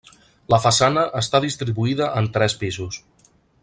La façana està distribuïda en tres pisos.